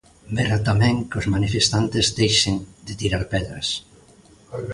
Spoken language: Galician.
Berra tamén que os manifestantes deixen de tirar pedras.